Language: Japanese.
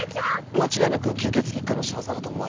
間違いなく吸血鬼一家の仕業だと思われますね。